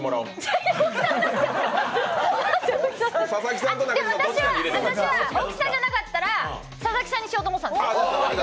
私、大木さんだったんだけど私は大木さんじゃなかったら佐々木さんにしようと思ってたんですよ。